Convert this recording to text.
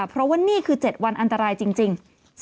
เพราะว่านี่คือ๗วันอันตรายจริง